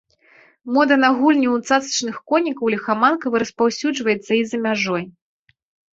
Мода на гульні ў цацачных конікаў ліхаманкава распаўсюджваецца і за мяжой.